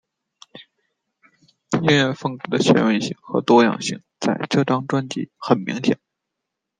音乐风格的前卫性和多样性在这张专辑很明显。